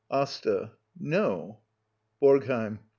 Asta. No. BoRGHEiM.